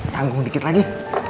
tanggung dikit lagi